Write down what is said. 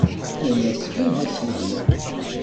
Nnan-as Ih, a Sidi!